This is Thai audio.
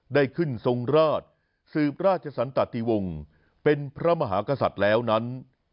ได้ขึ้นทรงราชสืบราชสันตติวงศ์เป็นพระมหากษัตริย์แล้วนั้น